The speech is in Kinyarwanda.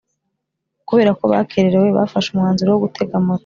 kubera ko bakererewe bafashe umwanzuro wo gutega moto